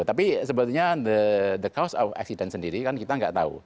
tapi sebetulnya the cause of accident sendiri kan kita nggak tahu